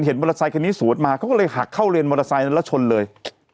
มอเตอร์ไซคันนี้สวนมาเขาก็เลยหักเข้าเลนมอเตอร์ไซค์นั้นแล้วชนเลย